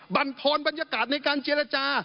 บรรพรบรรยากาศในการเจรจา